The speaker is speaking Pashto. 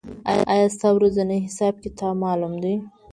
آیا ستا ورځنی حساب کتاب معلوم دی؟